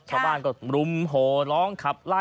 ชาวบ้านก็รุมโหร้องขับไล่